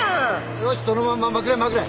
・よしそのまままくれまくれ！